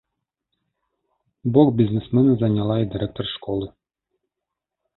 Бок бізнесмена заняла і дырэктар школы.